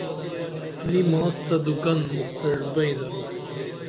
نِیہ ماس تہ دُکن مکھ پریڜ بئیں درو